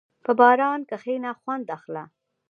په باران کښېنه، خوند اخله.